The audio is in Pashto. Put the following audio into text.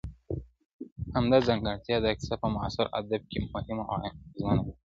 • همدا ځانګړتيا دا کيسه په معاصر ادب کي مهمه او اغېزمنه ګرځوي..